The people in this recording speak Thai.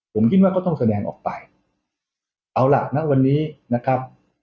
ผมคิดว่าก็ต้องแสดงออกไปเอาล่ะณวันนี้นะครับ